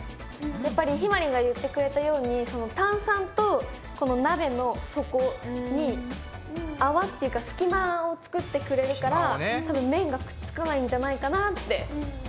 やっぱりひまりんが言ってくれたように炭酸とこの鍋の底に泡っていうか隙間を作ってくれるから麺がくっつかないんじゃないかなって思います。